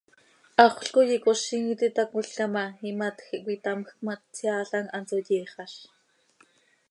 Haxöl coi icozim iti itácmolca ma, imatj quih cöitamjc ma, tseaalam hanso yiixaz.